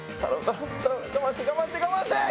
我慢して我慢して我慢して！